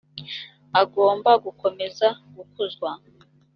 agomba gukomeza gukuzwa